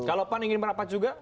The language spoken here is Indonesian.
kalau pan ingin merapat juga